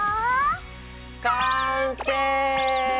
完成！